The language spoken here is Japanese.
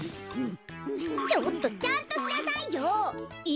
ちょっとちゃんとしなさいよ。え？